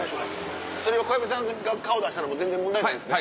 それ小籔さんが顔出したら全然問題ないですね？